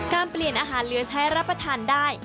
เปลี่ยนอาหารเหลือใช้รับประทานได้